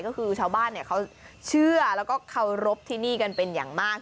ก็คือชาวบ้านเขาเชื่อแล้วก็เคารพที่นี่กันเป็นอย่างมาก